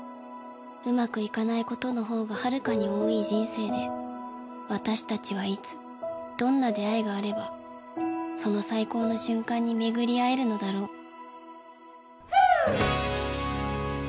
うまくいかないことのほうがはるかに多い人生で私たちはいつどんな出会いがあればその最高の瞬間に巡り合えるのだろう？